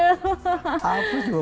apa itu maksudnya